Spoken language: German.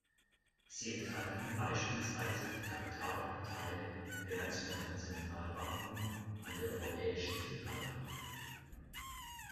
Sie enthalten beispielsweise die Kapitalanteile der nationalen Zentralbanken an der Europäischen Zentralbank.